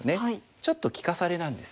ちょっと利かされなんです。